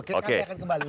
kita akan kembali